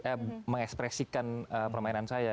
eh mengekspresikan permainan saya